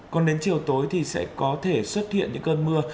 còn đến chiều tối thì sẽ có thể xuất hiện những cơn mưa